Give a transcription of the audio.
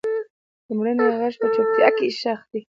د مړینې غږ په چوپتیا کې ښخ دی.